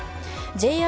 ＪＲ